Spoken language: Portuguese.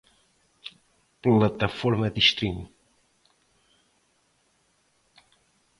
plataforma de streaming